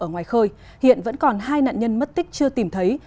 ở ngoài khơi hiện vẫn còn hai nạn nhân mất tích chưa tìm thấy